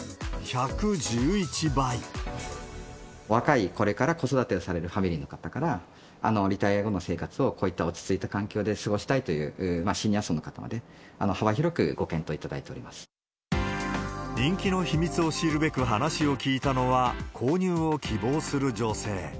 若い、これから子育てをされるファミリーの方から、リタイヤ後の生活を、こういった落ち着いた環境で過ごしたいというシニア層の方まで、人気の秘密を知るべく話を聞いたのは、購入を希望する女性。